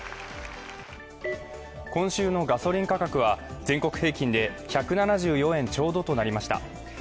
今週のガソリン価格は全国平均で１７４円ちょうどとなりました。